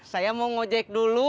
saya mau ngojek dulu